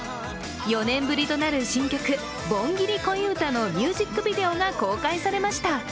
４年ぶりとなる新曲「盆ギリ恋歌」のミュージックビデオが公開されました。